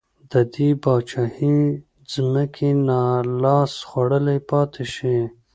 د دې پاچاهۍ ځمکې نا لاس خوړلې پاتې شي.